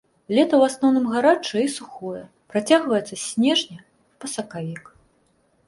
Лета ў асноўным гарачае і сухое, працягваецца з снежня па сакавік.